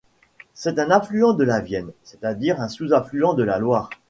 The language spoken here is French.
C'est un affluent de la Vienne, c'est-à-dire un sous-affluent de la Loire.